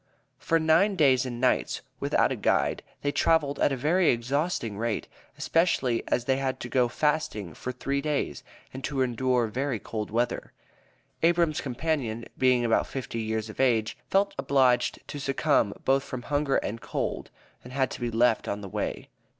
For nine days and nights, without a guide, they traveled at a very exhausting rate, especially as they had to go fasting for three days, and to endure very cold weather. Abram's companion, being about fifty years of age, felt obliged to succumb, both from hunger and cold, and had to be left on the way.